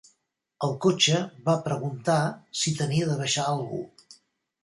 El cotxer va preguntar si tenia de baixar algú